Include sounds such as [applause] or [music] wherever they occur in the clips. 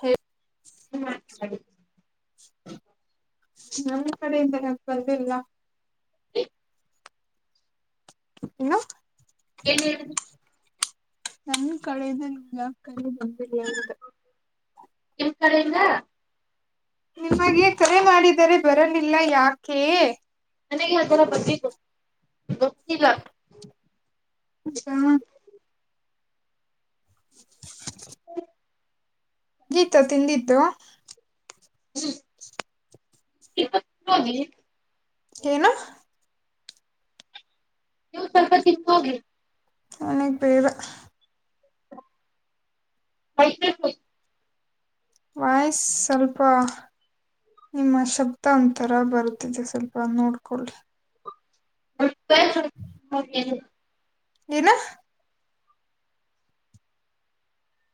ಹೇ [unintelligible] ನಮ್ಮ ಕಡೆೆಯಿಂದ ಬಂದಿಲ್ಲಾ ಎನ್ನು ಎಲ್ಲಿ ನನ್ ಕಡದ ನಿ ಯಾ ಕಲ್ಲಿ ಬಂದರಿಯಾಗಿದೆ [unintelligible] ನಿಮಗೆ ಕರೆ ಮಾಡಿದರೆ ಬರಲಿಲ್ಲ ಯಾಕೆ ನನಗೆ ಆ ತರ ಬಂದು ಗೊತ್ತಿಲ್ಲಾ ಹೌದಾ [unintelligible] ಗೀತಾ ತಿಂದಿದ್ದು [unintelligible] ಏನು ನೀವು ಸ್ವಲ್ಪ ತಿಂದು ಹೋಗ್ರಿ ನನಗೆ ಬೇಡ [unintelligible] ವಾಯ್ಸ್ ಸ್ವಲ್ಪಾ ನಿಮ್ಮ ಶಬ್ದಾಂತರ ಬರುತ್ತಿದೆ ಸ್ವಲ್ಪ ನೋಡ್ಕೊಳ್ಳಿ [unintelligible] ಏನ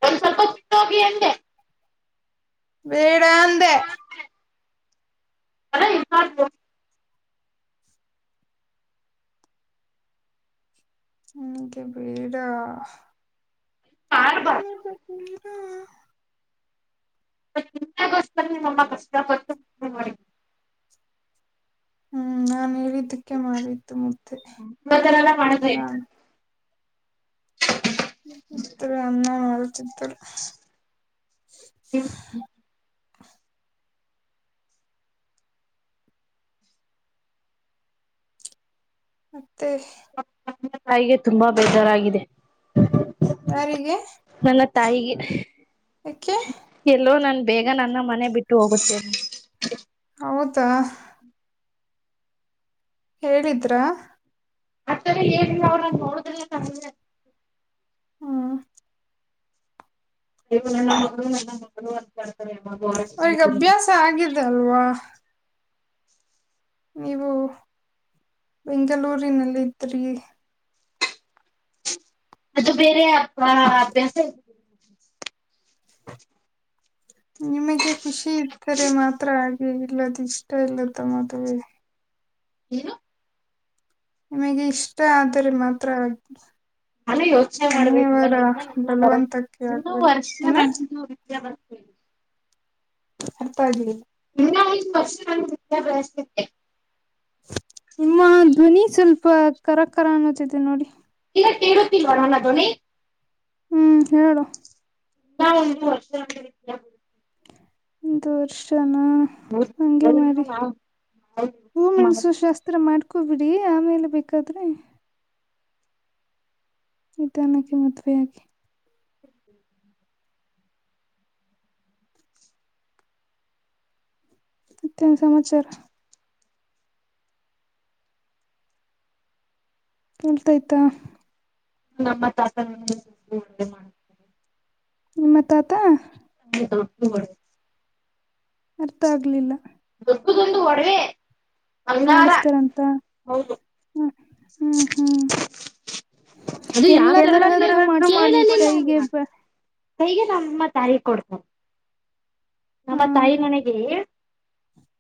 ಒಂದ್ ಸ್ವಲ್ಪ ಸಿಟ್ಟ ಹೋಗಿ ಹೆಂಗೆ ಬೇಡ ಅಂದೆ ಅ ಎಲ್ಲಾ ನಿನಗೆ ಬೇಡ ಹ್ಮ [unintelligible] ಮ್ಮಷ್ಟ [inaudible] ಹ್ಮ್ ನಾನ್ ಹೇಳಿದ್ದಕ್ಕೆ ಮಾಡಿದ್ದು ಮುದ್ದೆ ಇವತರೆಲ್ಲ ಮಾಡಿದ್ರೆ ಹೆಂಗೆ ಚಿತ್ರರು ಅನ್ನ ಮಾಡ ಚಿತ್ರರು ಹ [unintelligible] ಮತ್ತೆ ನನ್ನ ತಾಯಿಗೆ ತುಂಬಾ ಬೇಜಾರಾಗಿದೆ ಯಾರಿಗೆ ನನ್ನ ತಾಯಿಗೆ ಯಾಕೆ ಎಲ್ಲೋ ನನ್ ಬೇಗ ನನ್ನ ಮನೆ ಬಿಟ್ಟು ಹೋಗ್ುತ್ತೇನೆ ಹೌದಾ ಹೇಳಿದ್ರಾ ಆತರ ಏನ್ ಅವ್ರ ನೋಡುದ್ರ ಹ್ಮ್ ನೀವು ನನ್ನ ಮಗಳು ನನ್ನ ಮಗಳು ಅಂತ ಮಾಡ್ತಾರೆ ಅವ್ರಗ ಅಭ್ಯಾಸ ಆಗಿದೆ ಅಲ್ವಾ ನೀವು ಬೆಂಗಳೂರಿನಲ್ಲ ಇದ್ರಿ ಅದು ಬೇರೆ ಅಭ್ಯಾಸ ಇ ನಿಮಗೆ ಖುಷಿ ಇದ್ದರೆ ಮಾತ್ರ ಹಾಗೆ ಇಲ್ಲದ ಇಷ್ಟ ಇಲ್ಲದ ಮದುವೆ ಏನು ನಿಮಗೆ ಇಷ್ಟ ಆದರೆ ಮಾತ್ರ ಹಾಗಿ ನಾನು ಯೋಚನೆ ಮಾಡ್ಬೇಕಲ್ಲ ಎಲ್ಲ ನ ಬರ ಬಲವಂತಕ್ಕೆ ಇನ್ನೂ ಆಗ್ಬೇಡ ವರ್ಷ ಏನ ನಸ ಜಮಸ್ತ ಅರ್ಥ ಆಗ್ಲಿಲ್ಲ ನಿ ಬರ್ಷ ವಿದ್ಯಾಭ್ಯಾಸೆ ನಿಮ್ಮ ಧ್ವನಿ ಸ್ವಲ್ಪ ಕರಕರ ಅನ್ನೋತತೆ ನೋಡಿ ತರತಿ ಲಡನಾ ದನಿ ಹ್ಮ್ ಹೇಳಡು ನ ಇ ವರ್ಷ ರ [inaudible] ದರ್ಷ ಹಗೆ ಮಾಡಿ ನಾವು ಮಾಡ ಹೂಮೆಣಸು ಶಾಸ್ತ್ರ ಮಾಡ್ ಕುೂಬಿಡಿ ಆಮೇಲೆ ಬೇಕಾದ್ರೆ ನಿ ತಾನಕ್ಕೆ ಮದುವೆಯಾಗಿ ಹ [unintelligible] ಮತ್ತೆ ಏನ್ ಸಮಾಚಾರ ಎಂತ ಆಯ್ತಾ ನಮ್ಮ ತಾತ ಒಳ್ಳ ಮಾಡತೇ ನಿಮ್ಮ ತಾತ ಹ ಅರ್ಥ ಆಗ್ಲಿಲ್ಲ ಗೊಂದು ಒಡವೆ ಬಂಗಾರ ಮಾಡಿಸತಾರಂತ ಹೌದು ಹ್ಮ ಹ್ಮ್ ಹ್ಮ್ ಅದು ಯ ಎಲ್ಲಾ ತರಹದ್ದು ಮಾಡ್ಸ್ಕೊಳ್ಳಿ ಕೈಗೆ ಬ ಹೇಗೆ ನಮ್ಮಮ್ಮ ತಾರೀ ಕೊಡ್ತವೆ ಆ ನಮ್ಮ ತಾಯಿ ನನೆಗೆ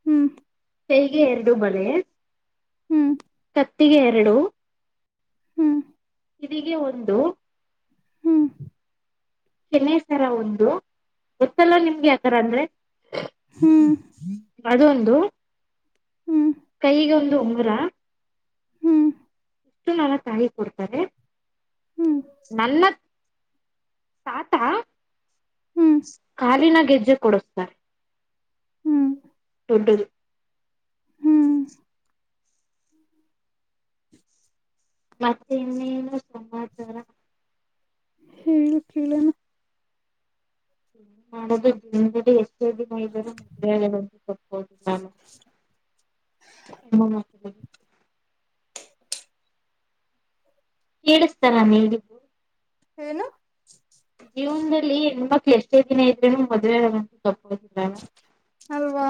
ಹ್ಮ್ ಹೇಗೆ ಎರಡು ಬಳೆ ಹ್ಮ್. ಹೊತ್ತಿಗೆ ಎರಡು. ಹ್ಮ್. ಇದಿಗೆ ಒಂದು. ಹ್ಮ್ ಕ್ಯಾನ ಸರ ಒಂದು ಗೊತ್ತಲ್ಲ ನಿಮ್ಗೆ ಯತರ ಅಂದ್ರೆ. ಹ್ಮ್ ಅದೊಂದು ಹ್ಮ್ ಕೈಗೆ ಒಂದು ಉಂಗುರ. ಹ್ಮ್ ಇಷ್ಟು ನನ್ನ ತಾಯಿ ಕೊಡ್ತಾರೆ ನನ್ನ. ತಾತ ಹ್ಮ್ ಕಾಲಿನ ಗೆಜ್ಜೆ ಕೊಡಸ್ತಾರೆ. ಹ್ಮ್ ತೊಟರು. ಹ್ಮ್ ಮತ್ತೆ ಇನ್ನೇನು ಸಮಾಚಾರ. ಹೇಳು ಕೇಳಣ. ಮಾಡದು ದಿನ ಬಿ ಎಷ್ಟೇ ದಿ ಇದ್ದಾರೆ ಮದ್ತ ತೋದು. ಎನ ಅ [unintelligible] ಕೇಳಿಸ್ತಲ್ಲ ನೀ. ಏನು. ಜೀವನದಲ್ಲಿ ಹೆಣ್ಮ ಮಕ್ಳ ಎಷ್ಟೇ ದಿನ ಇದ್ರೆನು ಮದ್ವೆ ನ [unintelligible] ಅಲ್ವಾ.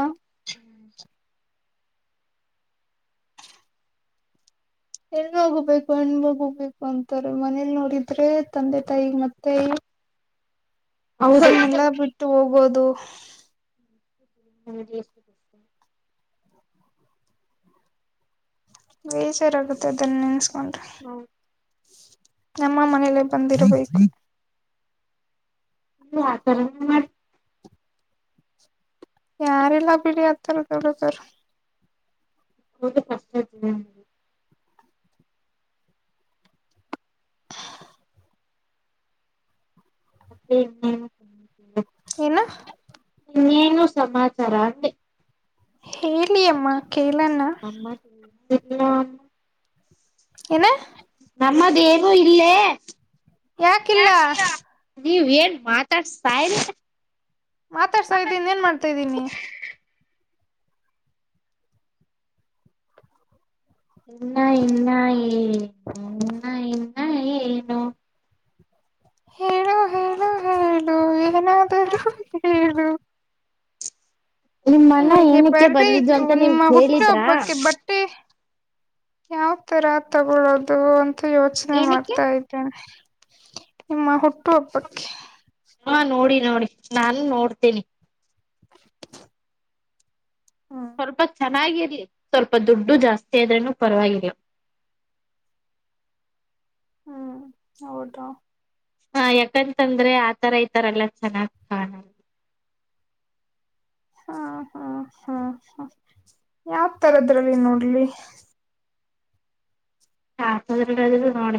ಹೆಣ್ಣು ಹೋಗಬೇಕು ಹೆಣ್ಣ್ಗ್ಬೇಕು ಅಂತಾರೆ ಮನೇಲಿ ನೋಡಿದ್ರೆ ತಂದೆ ತಾಯಿ ಮತ್ತೆ. ಹೌದು ಹನ್ನೆಲ್ಲ ಬಿಟ್ಟು ಹೋಗೋದು. ಎಷ್ಟಷ್ಟ. ಬೇಜಾರ ಆಗುತ್ತೆ ಅದನ್ನ ನೆನ್ಸ್ಕೊಂಡ್ರಿ. ನಮ್ಮ ಮನೇಲ್ಲ ಬಂದಿರ್ಬೇಕು. ಹ್ಮ ಆತರ ಮಾಡ. ಯಾರೆಲ್ಲ ಬಿಡಿ ಹತ್ತರ ದಡದರ್. [unintelligible] ಕಷ್ಟ. [inaudible] ಅ [unintelligible] ಏನ ನೀನು ಸಮಮಾಚಾರಾ. ಹೇಳಿ ಅಮ್ಮ ಕೇಳಣ. ನನ್ [unintelligible] ಎನ. ನಮ್ಮ ದೇವ ಇಲ್ಲೇ. ಯಾಕಿಲ್ಲ. ನೀವ್ ಏನ್ ಮಾತಾಡ್ಸ ಸಾರಿ ಮಾತಾಡ್ಸಾ ಇದ್ದೀನ್ ಏನ್ ಮಾಡ್ತಾ ಇದ್ದೀನಿ. ಇನ್ನ ಇನ್ನ ಏನು ಇನ್ನ ಇನ್ನ ಏನು. ಹೇಳ. ಏನಾದ್ರೂ ಇದ್ರೆ ಹೇಳ್ಬಿಡು. ನಿಮ್ಮಣ್ಣ ನಿಗೆ ಏನಕ್ಕೆ ಬರ್ಡೈ ಬಂದಿದ್ದು ಅಂತ ನೀವ್ ನಿಮ್ಮ ಕೇಳಿದ್ರಾ? ಹುಟ್ಟುಹಬ್ಬಕ್ಕೆ ಬಟ್ಟೆ. ಯಾವ ತರ ತಗೊಳೋದು ಅಂತ ಯೋಚನೆ ಏನಕ್ಕೆ ಮಾಡ್ತಾ ಇದ್ದೇನೆ. ನಿಮ್ಮ ಹುಟ್ಟು ಹಬ್ಬಕ್ಕೆ. ಹಾ ನೋಡಿ ನೋಡಿ ನಾನು ನೋಡ್ತೇನಿ. [inaudible] ಹ್ಮ್ ಸ್ವಲ್ಪ ಚೆನ್ನಾಗಿರ್ಲಿ ಸ್ವಲ್ಪ ದುಡ್ಡು ಜಾಸ್ತಿ ಆದ್ರೂನು ಪರವಾಗಿಲ್ಲ. ಹ್ಮ್ ಹೌದಾ ಹಾ ಯಾಕಂತಂದ್ರೆ ಆತರ ಈತರ ಎಲ್ಲಾ ಚೆನ್ನಾಗ್ ಕಾಣ. [inaudible] ಹಾ ಹಾ ಹಾ ಹಾ ಯಾವ್ ತರದ್ರಲ್ಲಿ ನೋಡ್ಲಿ [unintelligible] ನೋಡಿ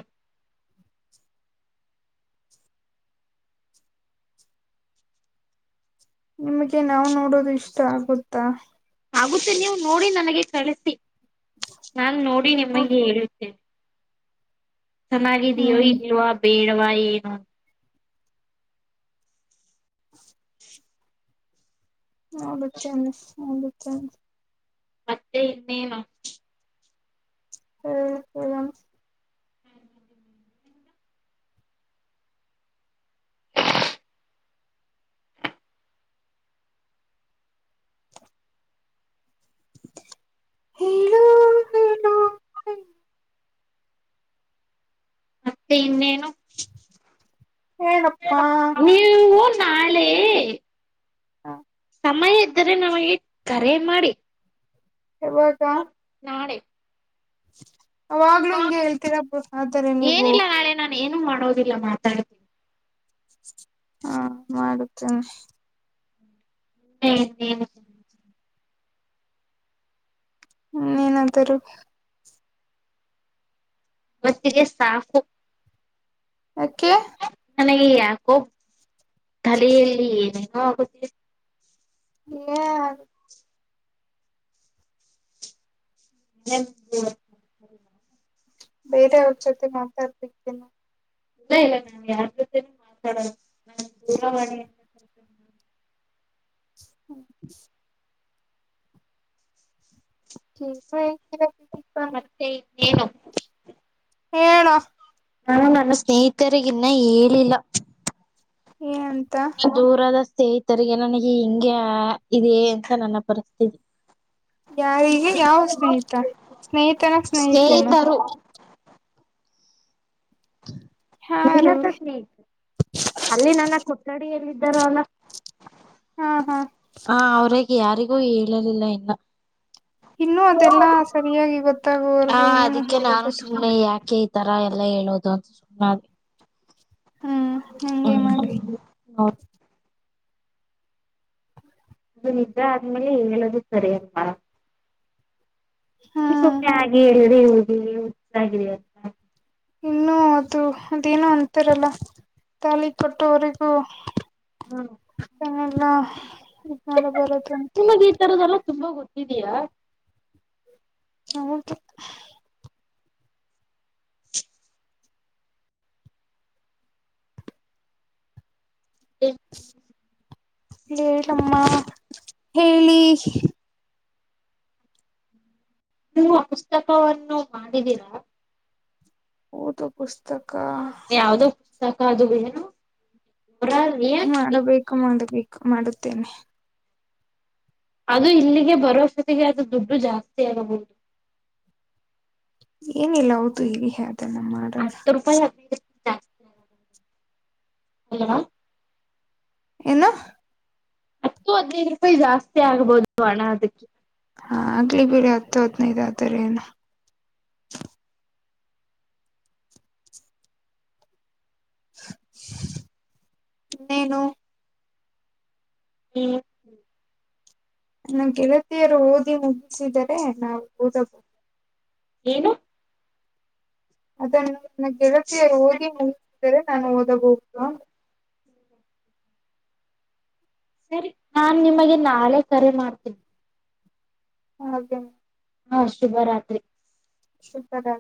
ನಿಮಗೆ ನಾವು ನೋಡೋದು ಇಷ್ಟ ಆಗುತ್ತಾ ಆಗುತ್ತೆ ನೀವು ನೋಡಿ ನನಗೆ ಕಳಿಸಿ ನಾನ್ ನೋಡಿ ನಿಮಗೆ ಹೇಳುತ್ತೇನೆ ಚೆನ್ನಾಗಿದಯೋ ಹ್ಮ್ ಇಲ್ವಾ ಬೇಡವಾ ಏನು ನಳೇನೆ ಅವಳ ಚನೆ [unintelligible] ಮತ್ತೆ ಇನ್ನೇನು ಹ್ಮ ಹಂ ಹೇಳೋ ಹೇಳೋ ಹೇಳ ಮತ್ತೆ ಇನ್ನೇನು ಹೇಳಪ್ಪ ನೀವು ನಾಳೆ ಹಾ ಸಮಯ ಇದ್ದರೆ ನಮಗೆ ಕರೆ ಮಾಡಿ ಹ ನಾಳೆ ಅವಾಗ್ಲಿಂಗೆಳ್ತಿರಿಆದರೆ ನೀವು ನಾನ ಏನು ಮಾಡೋದಿಲ್ಲ ಮಾತಾಡ್ತೀನಿ. ಹಾ ಮಾಡುತ್ತೇನೆ. ಹ್ಮ. ಹ್ಮ ಏನಾಂತರು. ಮತ್ತಿಗೆ ಸಾಕು. ಯಾಕೆ. ನಗೆ ಯಾಕೋ ತಲೆಯಲ್ಲಿ ಏನೇನೋ ಆಗುತ್ತದೆ [inaudible] [inaudible] ಬೇರೆ ಅವ ಜತೆ ಮಾತಾಡ್ಪಿಕನು. ಇಲ್ಲ ಇಲ್ಲ ನಾನ್ ಯಾರ್ ಜೊತೆನೂ ಮಾತಾಡದು ನಾನ್ ದೂರವಾಣಿ ಅಂತ. ಹ್ಮ್. [inaudible] ಮತ್ತೆಏನು. ಹೇಳೋ. ನಾು ನನ್ನ ಸ್ನೇಹಿತರಿಗನ್ನ ಹೇಳಿಲ್ಲ. ಏನಂತ. ದೂರದ ಸ್ನೇಹಿತರಿಗೆ ನನಗೆ ಹಿಂಗಗೆ ಇದೆ ಅಂತ ನನ್ನ ಪರಿಸ್ತಿತಿ. ಯಾರಿಗೆ ಯಾವ ಸ್ನೇಹಿತ ಸ್ನೇಹಿತನ ಸ್ನೇಹಿತೇನೋ. ಸ್ನೇಹಿತರು ಯಾರು ನಿನ್ನತ್ತ ಸ್ೀ ಅಲ್ಲಿ ನನ್ನ ಕೊಠಡಿಯಲ್ಲಿದ್ದ. ಬರಲ್ಲ. ಹಾ ಹಾ. ಹ ಅವರಿಗೆ ಯಾರಿಗೂ ಹೇಳಲಿಲ್ಲ ಇನ್ನು ಇನ್ನೂ ಅದೆಲ್ಲಾ ಸರಿಯಾಗಿ ಹಾ ಗೊತ್ತಾಗುವವರೆಗೂ ಏನು ಅದಕ್ಕೆ ನಾನು ಹೇಳೋದು ಸುಮ್ಮನೆ ಯಾಕೆ. ತರ ಎಲ್ಲ ಹೇಳೋದು [unintelligible] ಹ್ಮ್ ಹಂಗೆ ಹ್ಮ ಮಾಡಿ ಹೌದ್ ಅದು ನಿದ್ದೆ ಆದ್ಮೇಲೆ ಹೇಳದು ಸರಿ [unintelligible] ಹ್ಮ್ ಸುಮ್ನೆ ಹಾಗಿ [unintelligible] ಇನ್ನು ಅದು ಅದೇನೋ ಅಂತರಲ್ಲ ತಾಲಿ ಕೊಟ್ಟುವರಿಗೂ ಹ್ಮ್ [unintelligible] ತುಂಬಾ ಗೊತ್ತಿದಿಯಾ ಹೌದು ಇ ಹೇಳಮ್ಮ ಹೇಳಿ ನೀವು ಆ ಪುಸ್ತಕವನ್ನು ಮಾಡಿದೀರಾ ಓದೋ ಪುಸ್ತಕ್ ಯಾವ್ದೋ ಪುಸ್ತಕ ಅದು ಏನು ಏನ್ ಮಾಡಬೇಕು ಮಾಡಬೇಕು ಮಾಡುತ್ತೇನೆ ಅದು ಇಲ್ಲಿಗೆ ಬರೋ ಅಸ್ಟೊತ್ತಿಗೆ ಅದು ದುಡ್ಡು ಜಾಸ್ತಿ ಆಗಬಹುದು ಏನಿಲ್ಲ ಹೌದು ಇರಿ ಹದ ನ ಮಾಡಣ ಹಲೋ ಎನು ಹತ್ತು ಹದ್ನೈದು ರೂಪಾಯಿ ಜಾಸ್ತಿ ಆಗ್ಬೋದು ಹಣ ಅದಿಕ್ಕೆ ಹಾ ಆಗ್ಲಿ ಬಿಡಿ ಹತ್ತು ಹತ್ತನೈದ ಆದರೆನು ಇನ್ನೇನು ಹ್ಮ್ ನನ್ ಗೆಳತಿಯರು ಓದಿ ಮುಗಿಸಿದರೆ ನಾವು ಓದಬಹುದು ಏನು ಅದ ನನ್ನ ಗೆಳತಿಯರ್ ಓದಿ ಮುಗಿಸಿದರೆ ನಾನು ಓದಬಹುದು ಅಂದೆ ಸರಿ ನಾನ್ ನಿಮಗೆ ನಾಳೆ ಕರೆ ಮಾಡ್ತೇನಿ ಹ ಹಾಗೆ ಹಾ ಶುಭ ರಾತ್ರಿ ಶುಭ ರಾ